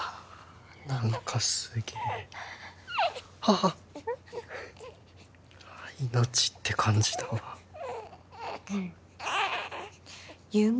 何かすげえああっ命って感じだわうん祐馬